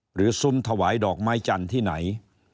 ซุ้มถวายดอกไม้จันทร์ที่ไหน